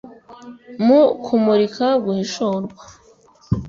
Mu kumurika guhishurwa